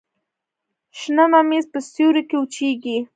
شنه ممیز په سیوري کې وچیږي.